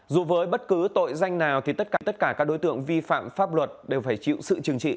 dù với bất cứ tội danh nào tất cả các đối tượng vi phạm pháp luật đều phải chịu sự chừng trị